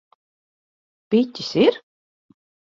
Piķis ir?